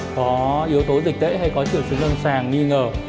có yếu tố dịch tễ hay có triệu sức âm sàng nghi ngờ